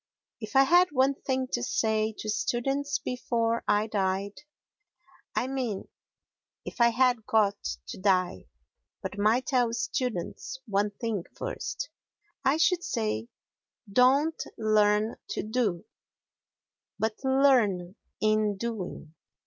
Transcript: If I had one thing to say to students before I died (I mean, if I had got to die, but might tell students one thing first) I should say:— "Don't learn to do, but learn in doing.